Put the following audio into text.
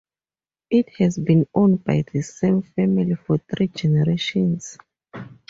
It has been owned by the same family for three generations.